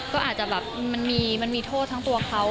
ก็อาจจะแบบมันมีโทษทั้งตัวเขา